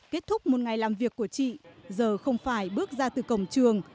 kết thúc một ngày làm việc của chị giờ không phải bước ra từ cổng trường